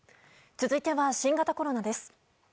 続いては新型コロナです。